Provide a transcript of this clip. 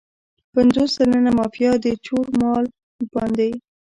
پنځوس سلنه مافیا د چور مال باندې.